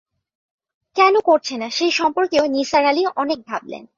কেন করছে না, সেই সম্পর্কেও নিসার আলি অনেক ভাবলেন।